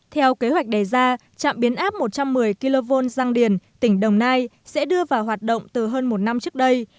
theo kế hoạch đề ra trạm biến áp một trăm một mươi kv giang điền tỉnh đồng nai sẽ đưa vào hoạt động từ hơn một năm trước đây